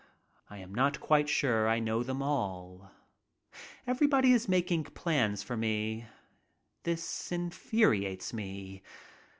I am not quite sure I know them all. Everyone is making plans for me. This irritates me.